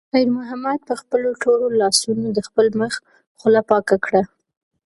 خیر محمد په خپلو تورو لاسونو د خپل مخ خوله پاکه کړه.